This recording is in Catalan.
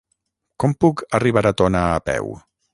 Com puc arribar a Tona a peu?